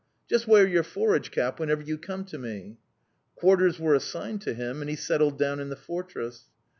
Just wear your forage cap whenever you come to me!' "Quarters were assigned to him and he settled down in the fortress."